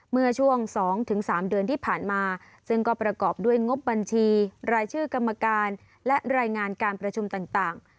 เมื่อช่วง๒๓เดือนที่ผ่านมาซึ่งก็ประกอบด้วยงบบัญชีรายชื่อกรรมการและรายงานการประชุมต่าง